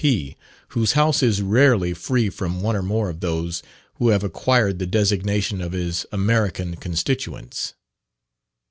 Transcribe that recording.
P., whose house is rarely free from one or more of those who have acquired the designation of his "American constituents."